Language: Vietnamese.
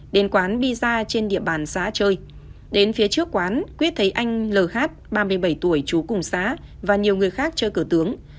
đến quán biza trên địa bàn xá chơi đến phía trước quán quyết thấy anh lh ba mươi bảy tuổi chú cùng xá và nhiều người khác chơi cửa tướng